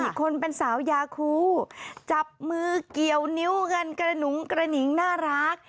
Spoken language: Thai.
อีกคนเป็นสาวยาคูจับมือเกี่ยวนิ้วกันกระหนุงกระหนิงน่ารัก